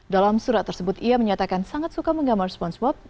dalam surat tersebut ia menyatakan sangat suka menggambar spongep